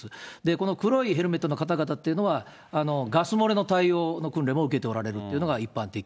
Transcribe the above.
この黒いヘルメットの方々っていうのは、ガス漏れの対応の訓練も受けておられるというのが一般的。